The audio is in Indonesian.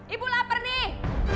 ibu lapar nih